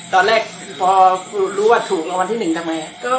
ก็พอรู้ว่าถูกรางวัลที่หนึ่งทำไม